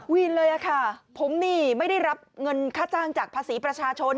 เลยค่ะผมนี่ไม่ได้รับเงินค่าจ้างจากภาษีประชาชน